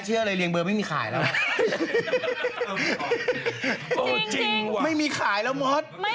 จริงไม่มีขายแล้วมธ